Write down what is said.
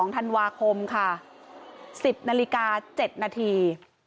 ๒ธันวาคมค่ะ๑๐นาฬิกา๗นาที